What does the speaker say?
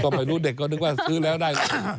พ่อไปดูเด็กก็นึกว่าซื้อแล้วได้